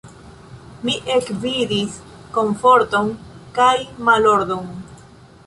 Mi ekvidis komforton kaj malordon.